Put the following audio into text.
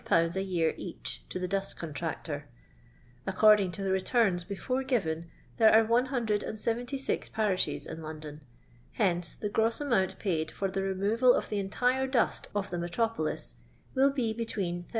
a year each to the dust contractor. According to the returns before given, there are 176 parishes in London. Hence, the gross amount paid for the removal of the entire dust of tlie metropolis will be between 80,000